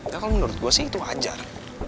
ya kalau menurut gue sih itu wajar